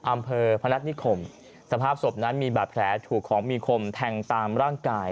อำเภอพนัฐนิคมสภาพศพนั้นมีบาดแผลถูกของมีคมแทงตามร่างกาย